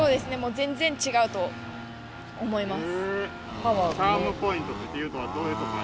全然違うと思います。